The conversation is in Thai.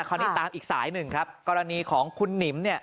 คราวนี้ตามอีกสายหนึ่งครับกรณีของคุณหนิมเนี่ย